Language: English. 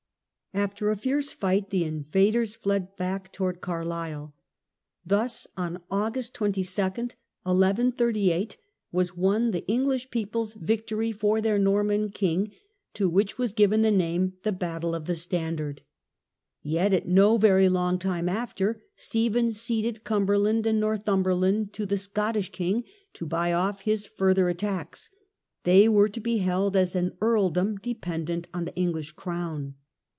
After a fierce fight the invaders fled back towards THE SEIZURE OF THE BISHOPS. II Carlisle. Thus, on August 22, 11 38, was won the Eng lish people's victory for their Norman king, to which was given the name of the Battle of the Standard. Yet at no very long time after, Stephen ceded Cumberland and Northumberland to the Scottish king to buy off his further attacks. They were to be held as an earldom dependent on the English crown.